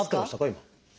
今。